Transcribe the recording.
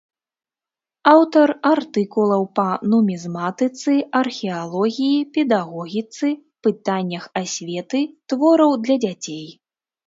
Аўтар артыкулаў па нумізматыцы, археалогіі, педагогіцы, пытаннях асветы, твораў для дзяцей.